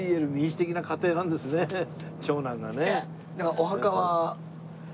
お墓は？